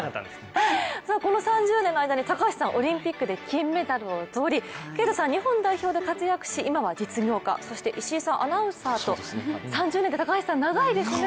この３０年の間にオリンピックで金メダルを取り啓太さんは日本代表で活躍し、今は実業家、そして石井さん、アナウンサーと３０年って高橋さん、長いですね。